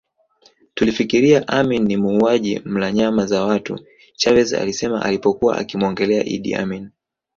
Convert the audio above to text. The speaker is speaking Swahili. Tulifikiria Amin ni muuaji mla nyama za watu Chavez alisema alipokuwa akimuongelea Idi Amin